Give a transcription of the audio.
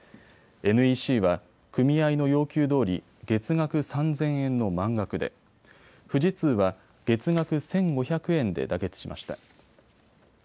ＮＥＣは組合の要求どおり月額３０００円の満額で、富士通は月額１５００円で妥結しました。